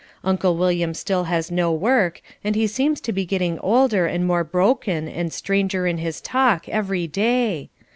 Uncle William still has no work and he seems to be getting older and more broken and stranger in his talk every day.